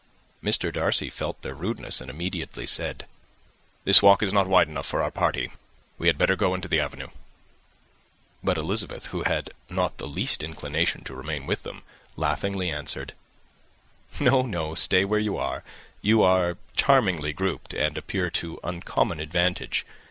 Mr. Darcy felt their rudeness, and immediately said, "This walk is not wide enough for our party. We had better go into the avenue." But Elizabeth, who had not the least inclination to remain with them, laughingly answered, "No, no; stay where you are. You are charmingly grouped, and appear to uncommon advantage.